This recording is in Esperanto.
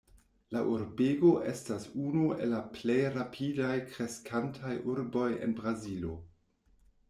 La urbego estas unu el la plej rapidaj kreskantaj urboj en Brazilo.